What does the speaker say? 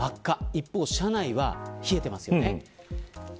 一方、車内は冷えています。